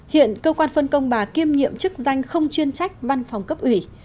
hiện cơ quan phân công bà kiêm nhiệm chức danh không chuyên trách văn phòng cấp ủy